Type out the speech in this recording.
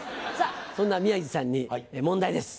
そんな宮治さんに問題です。